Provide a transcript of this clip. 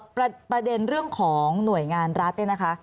ประเด็นเรื่องของหน่วยงานรัฐเนี่ยนะคะ